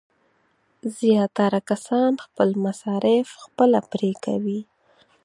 زیاتره کسان خپل مصارف خپله پرې کوي.